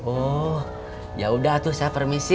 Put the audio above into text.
oh ya udah tuh saya permisi